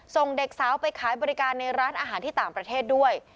ส่งเด็กสาวไปขายบริการในร้านอาหารที่ต่างประเทศด้วย